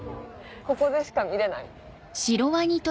ここでしか見れない。